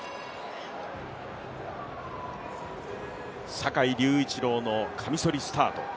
坂井隆一郎のカミソリスタート